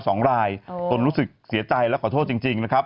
สองรายตนรู้สึกเสียใจและขอโทษจริงจริงนะครับ